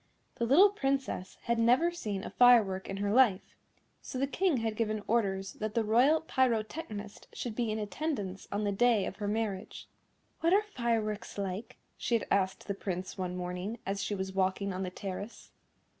The little Princess had never seen a firework in her life, so the King had given orders that the Royal Pyrotechnist should be in attendance on the day of her marriage. "What are fireworks like?" she had asked the Prince, one morning, as she was walking on the terrace.